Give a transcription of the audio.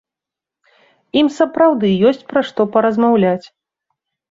Ім сапраўды ёсць пра што паразмаўляць.